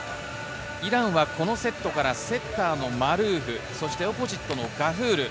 イランはこのセットからセッターのマルーフ、そしてオポジットのガフール。